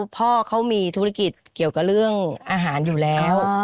พ่อเขามีธุรกิจเกี่ยวกับเรื่องอาหารอยู่แล้ว